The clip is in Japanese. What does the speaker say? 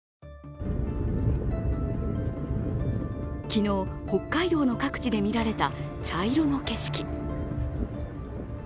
昨日、北海道の各地で見られた茶色の景色。